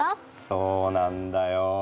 そうなんだよ。